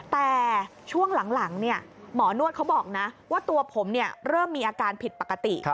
แต่ช่วงหลังหมอนวดเขาบอกนะว่าตัวผมเริ่มมีอาการผิดปกติ